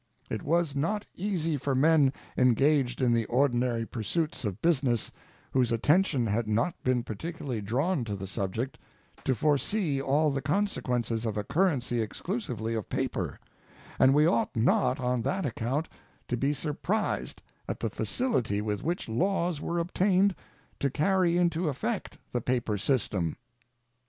It was not easy for men engaged in the ordinary pursuits of business, whose attention had not been particularly drawn to the subject, to foresee all the consequences of a currency exclusively of paper, and we ought not on that account to be surprised at the facility with which laws were obtained to carry into effect the paper system.